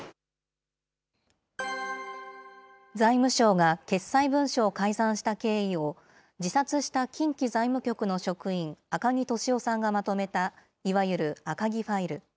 財務省が決裁文書を改ざんした経緯を、自殺した近畿財務局の職員、赤木俊夫さんがまとめたいわゆる赤木ファイル。